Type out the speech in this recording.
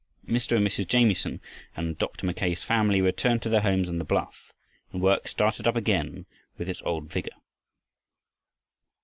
Mr. and Mrs. Jamieson and Dr. Mackay's family returned to their homes on the bluff, and work started up again with its old vigor.